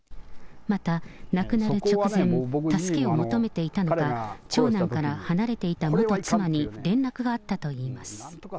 また亡くなる直前、助けを求めていたのか、長男から離れていた元妻に連絡があったといいます。